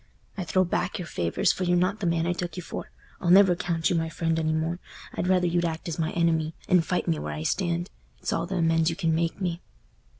I throw back your favours, for you're not the man I took you for. I'll never count you my friend any more. I'd rather you'd act as my enemy, and fight me where I stand—it's all th' amends you can make me."